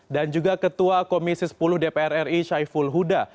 dan juga ketua komisi sepuluh dpr ri syaiful huda